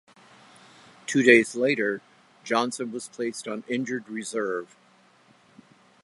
Two days later, Johnson was placed on injured reserve.